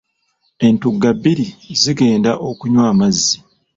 Entugga bbiri zigenda okunywa amazzi.